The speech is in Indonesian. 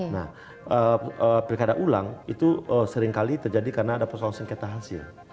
nah pilkada ulang itu seringkali terjadi karena ada persoalan sengketa hasil